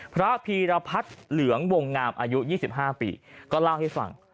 พีรพัฒน์เหลืองวงงามอายุ๒๕ปีก็เล่าให้ฟัง